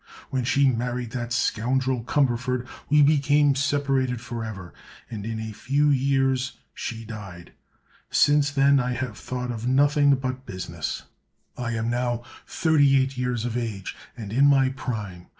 When she married that scoundrel Cumberford we became separated forever, and in a few years she died. Since then I have thought of nothing but business. I am now thirty eight years of age, and in my prime.